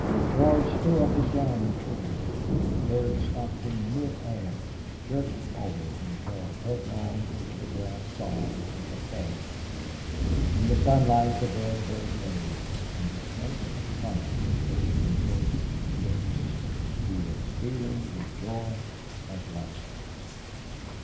George threw up his gun and pulled. The bird stopped in mid air, jerked forward, and fell headlong into the grass sods with a thud. In the sunlight the dead bird lay, and a smirk of triumph played on George's lips. He was feeling the joy of life.